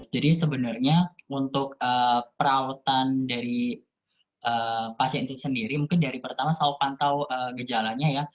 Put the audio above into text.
jadi sebenarnya untuk perawatan dari pasien itu sendiri mungkin dari pertama selalu pantau gejalanya ya